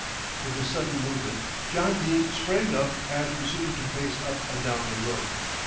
With a sudden movement John Dene sprang up and proceeded to pace up and down the room.